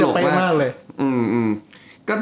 เอ๊ะเอ้ยเต็มมากเลย